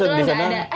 betul nggak ada